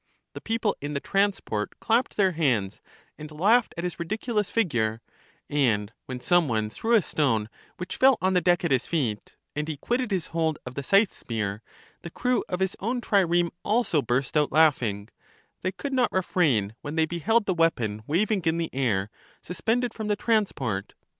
The people in the transport clapped their hands, and laughed at his ridiculous figure ; and when some one threw a stone, 94 LACHES which fell on the deck at his feet, and he quitted his hold of the scythe spear, the crew of his own trireme also burst out laughing ; they could not refrain when they beheld the weapon waving in the air, suspended from the transport.